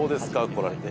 来られて。